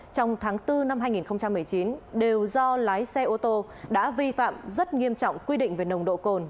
trong tháng bốn năm hai nghìn một mươi chín đều do lái xe ô tô đã vi phạm rất nghiêm trọng quy định về nồng độ cồn